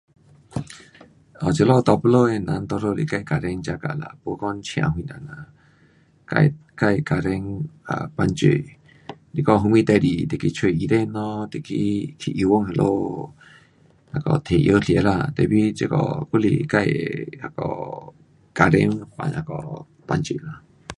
哦，这里大肚子的人多数是跟家庭 jaga 啦，没讲请谁人啦，自，自家庭 um 帮助，是讲什么事情就去找医生咯，就去，去医馆那里那个提药吃啦，tapi 这里还是自的那个家庭那个帮助啦。